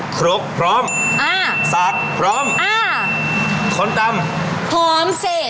ครบพร้อมสักพร้อมคนตำพร้อมเสร็จ